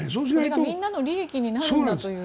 それがみんなの利益になるんだということ。